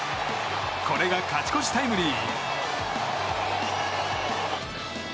これが勝ち越しタイムリー。